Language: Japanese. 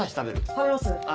食べます。